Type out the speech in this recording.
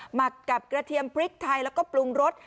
หมักกับกระเทียมพริกไทยแล้วก็ปรุงรส